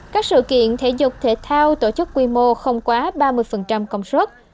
các sự kiện thể dục thể thao tổ chức quy mô không quá ba mươi công suất